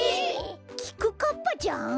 きくかっぱちゃん？